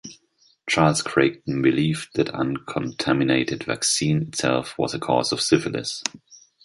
Charles Creighton believed that uncontaminated vaccine itself was a cause of syphilis.